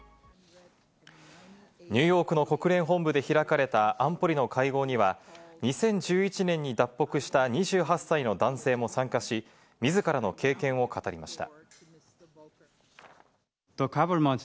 ニューヨークの国連本部で開かれた安保理の会合には、２０１１年に脱北した２８歳の男性も参加し、自らの経験を語りました。